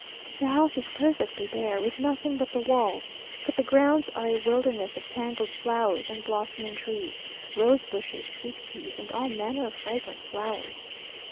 The house is perfectly bare, with nothing but the walls; but the grounds are a wilderness of tangled flowers and blossoming trees, rose bushes, sweet peas, and all manner of fragrant flowers.